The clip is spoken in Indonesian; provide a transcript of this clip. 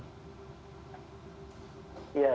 bagaimana anda memastikan sekarang